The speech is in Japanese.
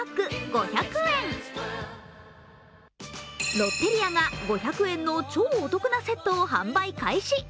ロッテリアが５００円の超お得なセットを販売開始。